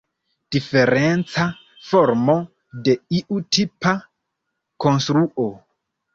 Diferenca formo de iu tipa konstruo.